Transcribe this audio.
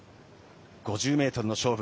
５０ｍの勝負。